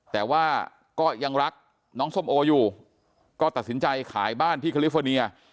แต่ว่าก็ยังรักน้องส้มโออยู่ก็ตัดสินใจขายบ้านที่คาลิฟอร์เนีย